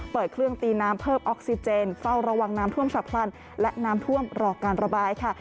เปิดเครื่องตีน้ำเพิ่มออกซิเจนเฝ้าระวังน้ำท่วมฉับพลันและน้ำท่วมรอการระบายค่ะ